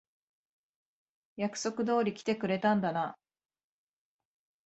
約束通り来てくれたんだな。